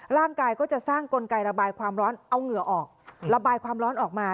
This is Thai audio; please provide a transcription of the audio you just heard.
ร่างกายก็จะสร้างกลไกระบายความร้อนเอาเหงื่อออกระบายความร้อนออกมา